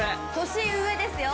年上ですよ。